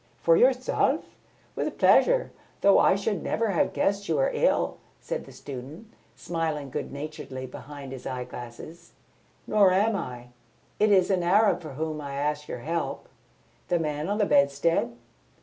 "For yourself? With pleasure, though I should never have guessed you were ill," said the student, smiling good naturedly behind his eyeglasses. "Nor am I. It is an Arab for whom I ask your help." "The man on the bedstead?"